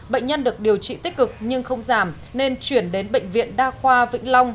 bệnh nhân được điều trị tích cực nhưng không giảm nên chuyển đến bệnh viện đa khoa vĩnh long